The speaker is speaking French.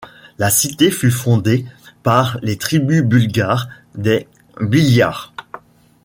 La cité fut fondée par les tribus Bulgares des Bilyar.